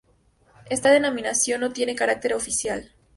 Esta denominación no tiene carácter oficial.